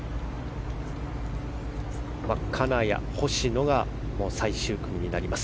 金谷、星野が最終組になります。